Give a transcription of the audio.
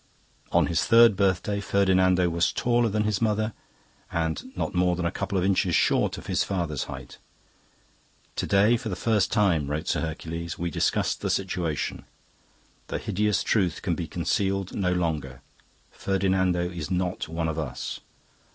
"On his third birthday Ferdinando was taller than his mother and not more than a couple of inches short of his father's height. 'To day for the first time' wrote Sir Hercules, 'we discussed the situation. The hideous truth can be concealed no longer: Ferdinando is not one of us.